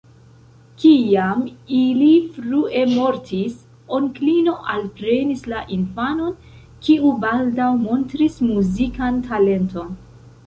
Kiam ili frue mortis, onklino alprenis la infanon, kiu baldaŭ montris muzikan talenton.